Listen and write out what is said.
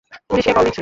পুলিশকে কল দিচ্ছি।